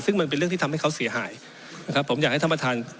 ซึ่งมันเป็นเรื่องที่ทำให้เขาเสียหายนะครับผมอยากให้ท่านประธาน